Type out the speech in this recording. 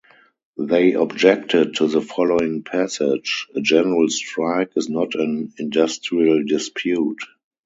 They objected to the following passage: A general strike is not an industrial dispute.